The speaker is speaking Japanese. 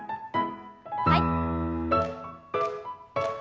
はい。